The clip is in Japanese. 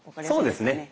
そうですね。